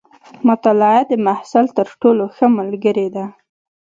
مطالعه د محصل تر ټولو ښه ملګرې ده.